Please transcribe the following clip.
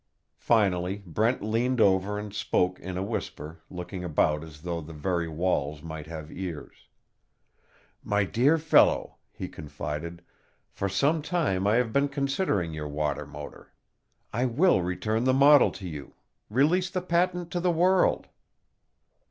Finally Brent leaned over and spoke in a whisper, looking about as though the very walls might have ears. "My dear fellow," he confided, "for some time I have been considering your water motor. I will return the model to you release the patent to the world."